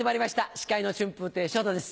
司会の春風亭昇太です。